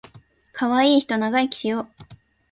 かわいいひと長生きしよ